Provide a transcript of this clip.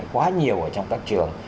quá nhiều ở trong các trường